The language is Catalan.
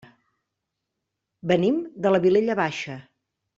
Venim de la Vilella Baixa.